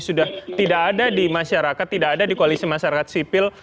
sudah tidak ada di masyarakat tidak ada di koalisi masyarakat sipil